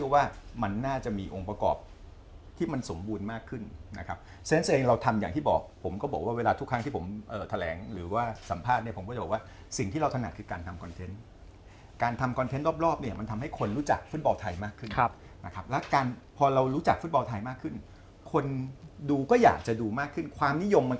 ว่ามันน่าจะมีองค์ประกอบที่มันสมบูรณ์มากขึ้นนะครับฉะนั้นเองเราทำอย่างที่บอกผมก็บอกว่าเวลาทุกครั้งที่ผมแถลงหรือว่าสัมภาษณ์เนี่ยผมก็จะบอกว่าสิ่งที่เราถนัดคือการทำคอนเทนต์การทำคอนเทนต์รอบเนี่ยมันทำให้คนรู้จักฟุตบอลไทยมากขึ้นนะครับแล้วการพอเรารู้จักฟุตบอลไทยมากขึ้นคนดูก็อยากจะดูมากขึ้นความนิยมมัน